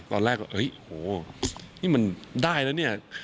ตอนแรกเห้ยโอ้นี่มันได้นะเนี่ย